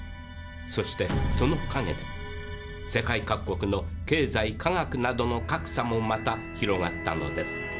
そしてそのかげで世界各国の経済科学などの格差もまた広がったのです。